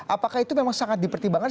apakah itu memang sangat dipertimbangkan